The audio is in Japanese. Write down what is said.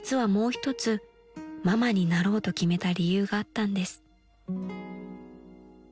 １つママになろうと決めた理由があったんです］